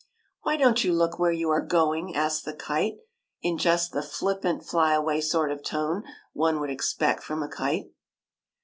'' Why don't you look where you are going ?" asked the kite, in just the flippant fly away sort of tone one would expect from a kite.